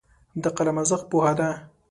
د قلم ارزښت پوهه ده.